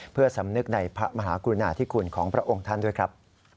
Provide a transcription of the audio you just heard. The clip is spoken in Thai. เพื่อสำนึกในพระมหากรุณาธิคุณของพระองค์ท่านด้วยครับ